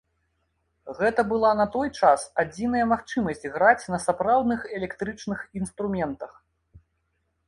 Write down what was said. Гэта была на той час адзіная магчымасць граць на сапраўдных электрычных інструментах.